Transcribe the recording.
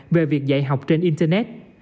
về việc dạy học trên internet